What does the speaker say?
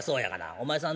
お前さん